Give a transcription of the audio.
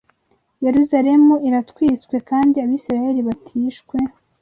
Yerusalemu iratwitswe kandi Abisirayeli batishwe